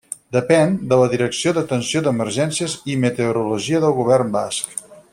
Depèn de la Direcció d'Atenció d'Emergències i Meteorologia del Govern Basc.